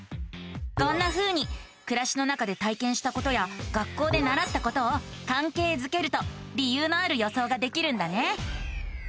こんなふうにくらしの中で体験したことや学校でならったことをかんけいづけると理由のある予想ができるんだね。